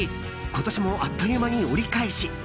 今年もあっという間に折り返し。